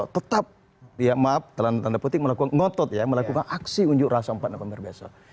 tetap dia maaf telanjang petik melakukan ngotot ya melakukan aksi unjuk raso empat nomor besok